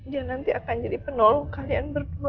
dia nanti akan jadi penolong kalian berdua